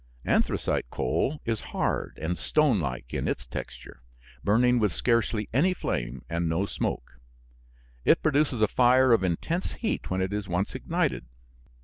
Anthracite coal is hard and stone like in its texture, burning with scarcely any flame and no smoke. It produces a fire of intense heat when it is once ignited.